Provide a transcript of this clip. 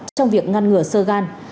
trong việc ngăn ngừa sơ gan